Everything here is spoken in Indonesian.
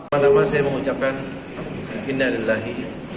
pertama tama saya mengucapkan indah dillahi